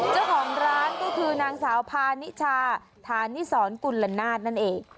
เจ้าของร้านก็คือนางสาวพานิชาฐานิสรกุลนาศนั่นเอง